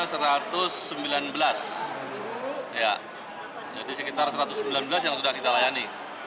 ya jadi sekitar satu ratus sembilan belas yang sudah kita layani